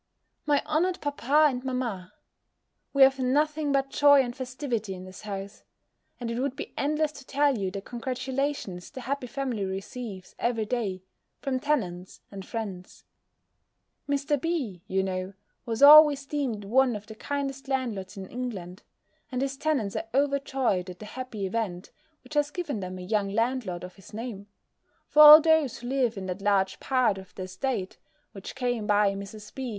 _ MY HONOURED PAPA AND MAMMA, We have nothing but joy and festivity in this house: and it would be endless to tell you the congratulations the happy family receives every day, from tenants and friends. Mr. B., you know, was always deemed one of the kindest landlords in England; and his tenants are overjoyed at the happy event which has given them a young landlord of his name: for all those who live in that large part of the estate, which came by Mrs. B.